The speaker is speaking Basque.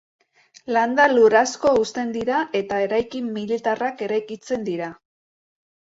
Landa lur asko husten dira eta eraikin militarrak eraikitzen dira.